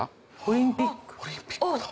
オリンピックだ！